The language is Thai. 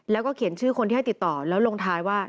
แล้วก็เขียนชื่อคนที่ให้ติดต่อแล้วลงท้ายว่า